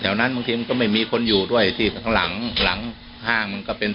เพราะว่ามันก็มีคนที่ขายของ